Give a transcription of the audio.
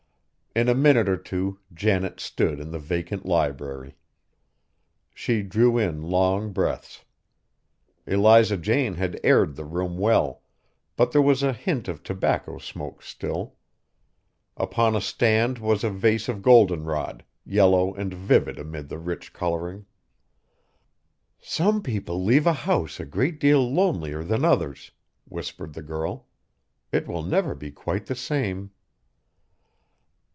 In a minute or two Janet stood in the vacant library. She drew in long breaths. Eliza Jane had aired the room well, but there was a hint of tobacco smoke still. Upon a stand was a vase of golden rod, yellow and vivid amid the rich coloring. "Some people leave a house a great deal lonelier than others," whispered the girl; "it will never be quite the same."